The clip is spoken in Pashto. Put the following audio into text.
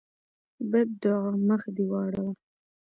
بدعا: مخ دې واوړه!